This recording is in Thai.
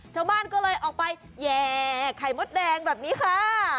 ชาวบ้านก็เลยออกไปแย่ไข่มดแดงแบบนี้ค่ะ